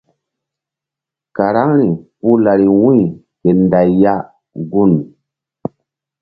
Karaŋri puh lari wu̧y ke nday ya gun.